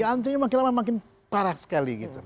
antrinya makin lama makin parah sekali gitu